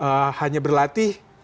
ketika misalkan hanya berlatih